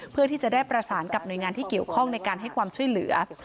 เพื่อที่จะได้ประสานกับหน่วยงานที่เกี่ยวข้องในการให้ความช่วยเหลือ